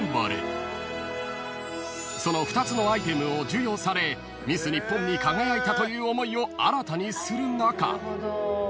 ［その２つのアイテムを授与されミス日本に輝いたという思いを新たにする中］